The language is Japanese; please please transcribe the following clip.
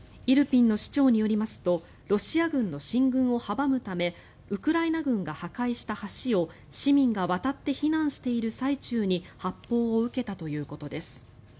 イルピンの市長によりますとロシア軍の進軍を阻むためウクライナ軍が破壊した橋を市民が渡って避難している最中に発砲を受けたということです。